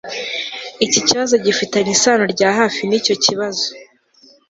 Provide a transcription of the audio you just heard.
iki kibazo gifitanye isano rya hafi nicyo kibazo